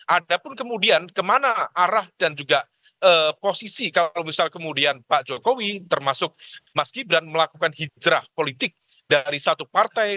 ada pun kemudian kemana arah dan juga posisi kalau misal kemudian pak jokowi termasuk mas gibran melakukan hijrah politik dari satu partai